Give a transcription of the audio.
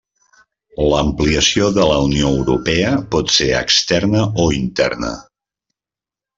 L'ampliació de la Unió Europea pot ser externa o interna.